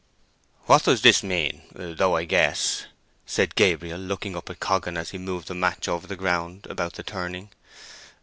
"What does this mean?—though I guess," said Gabriel, looking up at Coggan as he moved the match over the ground about the turning.